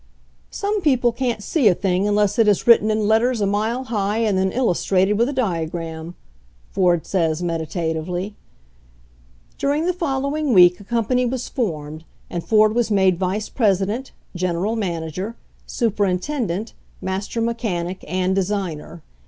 "Some people can't see a thing' unless it is writ ten in letters a mile high and then illustrated with a diagTam, ,, Ford says meditatively. During the following week a company was formed, and Ford was made vice president, gen eral manager, superintendent, master mechanic and designer.